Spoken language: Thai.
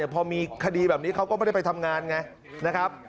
พอมีคดีแบบนี้เขาก็ไม่ได้ไปทำงานไงนะครับ